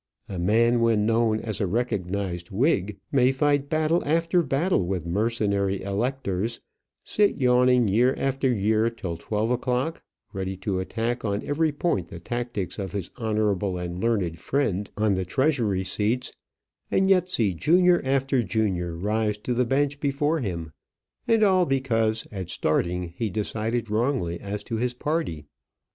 A man when known as a recognized Whig may fight battle after battle with mercenary electors, sit yawning year after year till twelve o'clock, ready to attack on every point the tactics of his honourable and learned friend on the Treasury seats, and yet see junior after junior rise to the bench before him and all because at starting he decided wrongly as to his party.